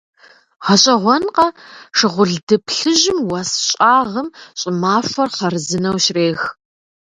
ГъэщӀэгъуэнкъэ, шыгъулды плъыжьым уэс щӀагъым щӀымахуэр хъарзынэу щрех.